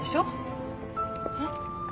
えっ？